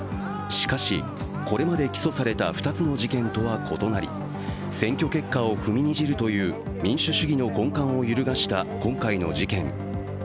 しかし、これまで起訴された２つの事件とは異なり、選挙結果を踏みにじるという民主主義の根幹を揺るがした今回の事件。